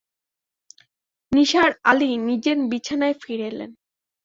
নিসার আলি নিজের বিছানায় ফিরে এলেন।